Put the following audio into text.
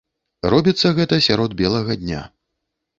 Робіцца гэта сярод белага дня.